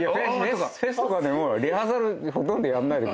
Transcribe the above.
フェスとかでもリハーサルほとんどやんない。